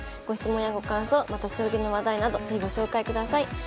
ご質問やご感想また将棋の話題など是非ご紹介ください。